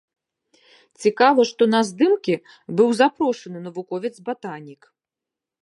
Цікава, што на здымкі быў запрошаны навуковец-батанік.